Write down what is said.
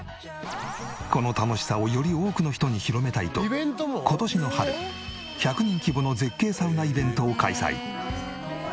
この楽しさをより多くの人に広めたいと今年の春１００人規模の絶景サウナイベントを開催。